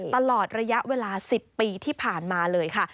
ตลอดระยะเวลา๑๐ปีที่ผ่านมาเลยค่ะ